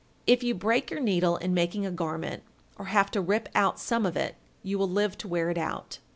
If you break your needle in making a garment, or have to rip out some of it, you will live to wear it out.